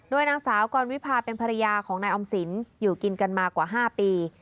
นางสาวกรวิพาเป็นภรรยาของนายออมสินอยู่กินกันมากว่า๕ปี